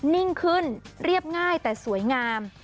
นิ่งขึ้นเรียบง่ายแต่สวยงาม